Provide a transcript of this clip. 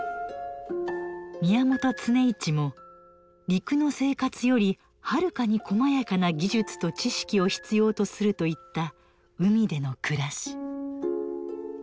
宮本常一も「陸の生活よりはるかにこまやかな技術と知識を必要とする」と言った海でのくらし。